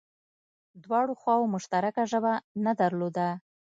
دواړو خواوو مشترکه ژبه نه درلوده